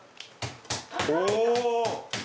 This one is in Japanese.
お！